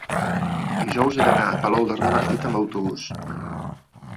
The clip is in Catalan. dijous he d'anar a Palol de Revardit amb autobús.